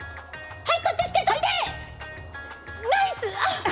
はい。